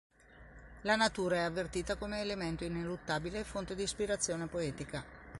La natura è avvertita come elemento ineluttabile e fonte di ispirazione poetica.